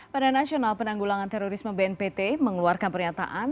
pada nasional penanggulangan terorisme bnpt mengeluarkan pernyataan